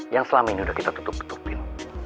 yang selama ini sudah kita tutup tutupin